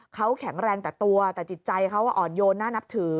เขาแข็งแรงแต่ตัวแต่จิตใจเขาอ่อนโยนน่านับถือ